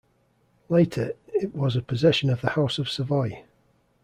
Later it was a possession of the House of Savoy.